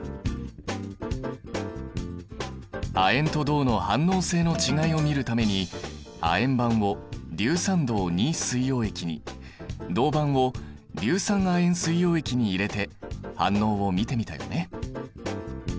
亜鉛と銅の反応性の違いを見るために亜鉛板を硫酸銅水溶液に銅板を硫酸亜鉛水溶液に入れて反応を見てみたよね。